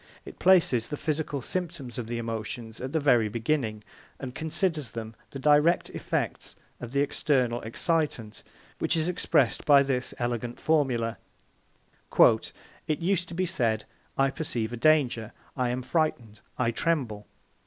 It places the physical symptoms of the emotions at the very beginning, and considers them the direct effects of the external excitant, which is expressed by this elegant formula: "It used to be said, 'I perceive a danger; I am frightened, I tremble.'